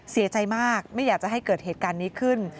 เสียใจมากไม่อยากจะให้เกิดเหตุการณ์นี้ขึ้น